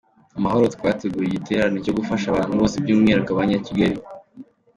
Amahoro, twateguye igiterane cyo gufasha abantu bose by’Umwihariko abanya Kigali